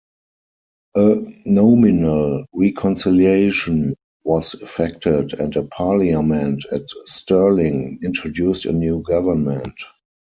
A nominal reconciliation was effected, and a parliament at Stirling introduced a new government.